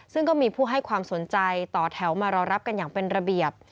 ซึ่งก็มีผู้ให้ความสนใจต่อแถวมารอรับกันอย่างเป็นระเบียบ